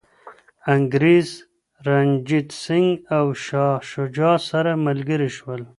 انګریز، رنجیت سنګ او شاه شجاع سره ملګري شول.